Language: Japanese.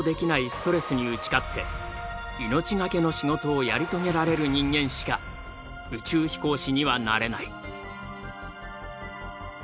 ストレスに打ち勝って命がけの仕事をやり遂げられる人間しか宇宙飛行士にはなれない。